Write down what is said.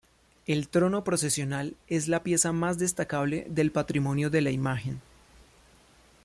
El trono procesional es la pieza más destacable del patrimonio de la imagen.